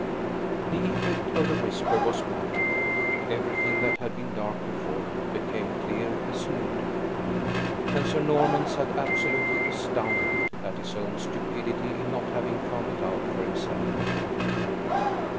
The effect of the whisper was magical. Everything that had been dark before, became clear as noonday; and Sir Norman sat absolutely astounded at his own stupidity in not having found it out for himself before.